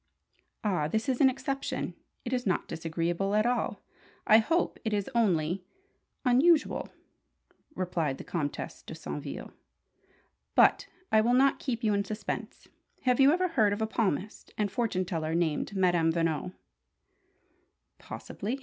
"Ah, this is an exception! It is not disagreeable at all I hope. It is only unusual," replied the Comtesse de Saintville. "But I will not keep you in suspense. Have you ever heard of a palmist and fortune teller named Madame Veno?" "Possibly.